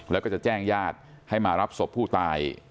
แล้วก็จะแจ้งญาติให้มารับศพผู้ตาย